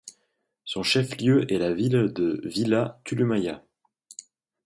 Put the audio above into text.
Son chef-lieu est la ville de Villa Tulumaya.